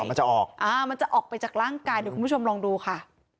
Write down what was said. มันจะออกไปจากร่างกายเดี๋ยวคุณผู้ชมลองดูค่ะ